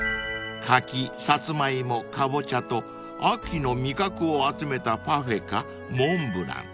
［柿サツマイモカボチャと秋の味覚を集めたパフェかモンブラン。